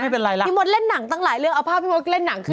พี่มดเล่นหนังตั้งหลายเรื่องเอาภาพพี่มดเล่นหนังขึ้น